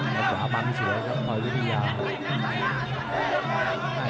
สาบังเสียกับพลอยวิทยา